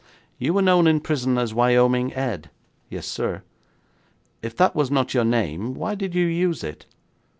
'You were known in prison as Wyoming Ed?' 'Yes, sir.' 'If that was not your name, why did you use it?'